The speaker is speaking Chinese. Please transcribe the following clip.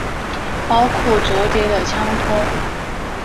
包括折叠的枪托。